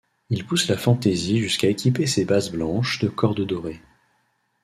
Il pousse la fantaisie jusqu'à équiper ses basses blanches de cordes dorées.